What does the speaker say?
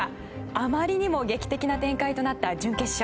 あまりにも劇的な展開となった準決勝。